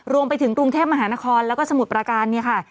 รวมไปถึงกรุงเทพมหานครแล้วก็สมุทรประการเนี่ยค่ะ